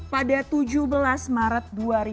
pada tujuh belas maret dua ribu lima belas